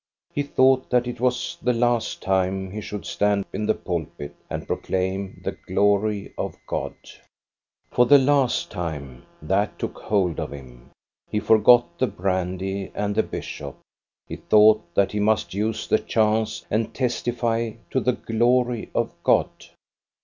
He thought that it was the last time he should stand in the pulpit and proclaim the glory of God. For the last time — that took hold of him. He for got the brandy and the bishop. He thought that he must use the chance, and testify to the glory of God.